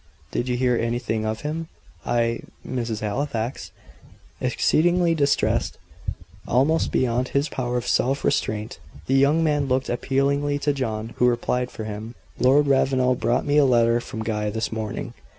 "Did you hear anything of him?" "I Mrs. Halifax " Exceedingly distressed, almost beyond his power of self restraint, the young man looked appealingly to John, who replied for him: "Lord Ravenel brought me a letter from Guy this morning."